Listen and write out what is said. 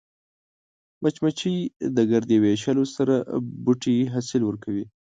مچمچۍ د ګردې ویشلو سره بوټي حاصل ورکوي